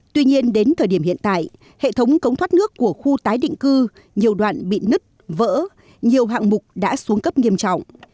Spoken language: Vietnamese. tuy nhiên đến thời điểm hiện tại hệ thống cống thoát nước của khu tái định cư nhiều đoạn bị nứt vỡ nhiều hạng mục đã xuống cấp nghiêm trọng